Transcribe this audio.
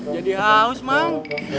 jadi haus mang